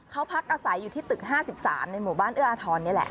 เขาพักอาศัยอยู่ที่ตึก๕๓ในหมู่บ้านเอื้ออาทรนี่แหละ